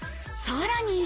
さらに。